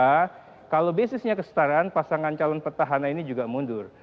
kenapa kalau basisnya kestaraan pasangan calon pertahanan ini juga mundur